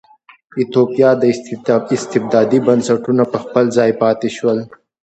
د ایتوپیا استبدادي بنسټونه په خپل ځای پاتې شول.